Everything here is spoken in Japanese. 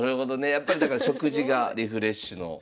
やっぱりだから食事がリフレッシュの。